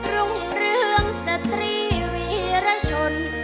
รุ่งเรืองสตรีวีรชน